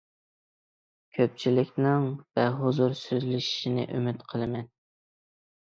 كۆپچىلىكنىڭ بەھۇزۇر سۆزلىشىشىنى ئۈمىد قىلىمەن.